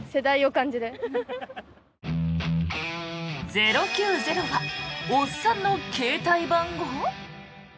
０９０はおっさんの携帯番号？